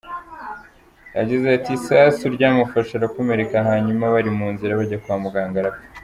Yagize ati “Isasu ryamufashe arakomereka hanyuma bari mu nzira bajya kwa muganga arapfa.